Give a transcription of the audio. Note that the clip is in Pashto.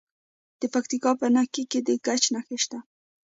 د پکتیکا په نکې کې د ګچ نښې شته.